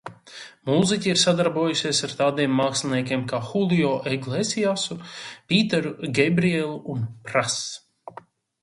"Mūziķe ir sadarbojusies ar tādiem māksliniekiem kā Hulio Eglesiasu, Pīteru Geibrielu un "Pras"."